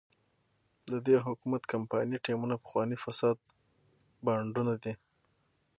د دې حکومت کمپایني ټیمونه پخواني فاسد بانډونه دي.